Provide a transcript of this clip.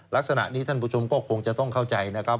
ลักษณะนี้ท่านผู้ชมก็คงจะต้องเข้าใจนะครับ